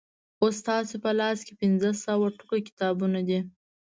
اوس ستاسو په لاسو کې پنځه سوه ټوکه کتابونه دي.